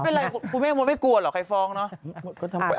เป็นอะไรคุณแม่งมนตร์ไม่กลัวเหรอใครฟ้องเนอะ